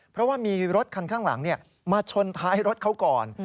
เพราะว่ามีรถคันข้างหลังมาชนท้ายรถเขาก่อน